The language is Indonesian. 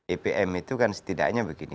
epm itu kan setidaknya begini